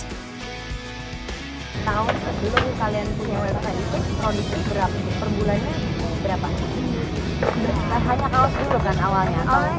tahun sebelum kalian punya website itu produknya berapa perbulannya berapa